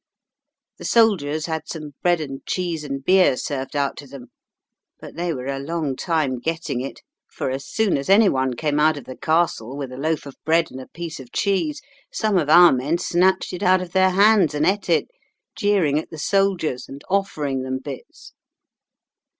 The soldiers had some bread and cheese and beer served out to them, but they were a long time getting it; for as soon as any one came out of the Castle with a loaf of bread and a piece of cheese some of our men snatched it out of their hands and eat it, jeering at the soldiers and offering them bits.